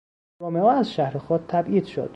رومئو از شهر خود تبعید شد.